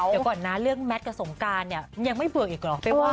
เดี๋ยวก่อนนะเรื่องแมทกับสงการเนี่ยยังไม่เบื่ออีกหรอ